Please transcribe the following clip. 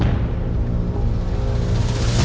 โกรธ